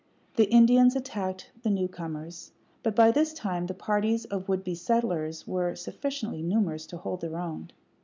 The Indians attacked the newcomers; but by this time the parties of would be settlers were sufficiently numerous to hold their own.